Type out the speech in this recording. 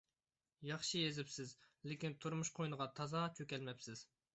ياخشى يېزىپسىز، لېكىن تۇرمۇش قوينىغا تازا چۆكەلمەپسىز.